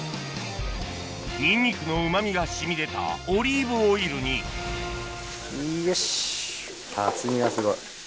ニンニクのうま味が染み出たオリーブオイルによし厚みがすごい。